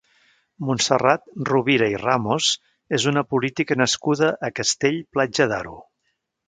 Montserrat Rovira i Ramos és una política nascuda a Castell-Platja d'Aro.